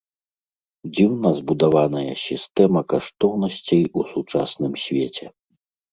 Дзіўна збудаваная сістэма каштоўнасцей у сучасным свеце.